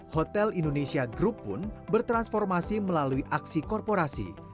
hotel indonesia group pun bertransformasi melalui aksi korporasi